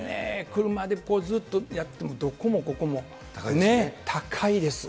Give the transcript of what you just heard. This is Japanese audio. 車でここずっとやっても、どこもここも、高いです。